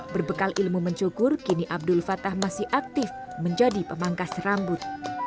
berbekal ilmu mencukur kini abdul fatah masih aktif menjadi pemangkas rambut